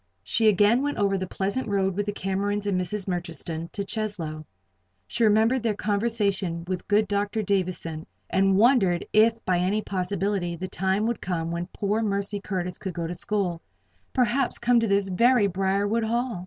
She again went over the pleasant road with the Camerons and Mrs. Murchiston to Cheslow. She remembered their conversation with good Dr. Davison, and wondered if by any possibility the time would come when poor Mercy Curtis could go to school perhaps come to this very Briarwood Hall.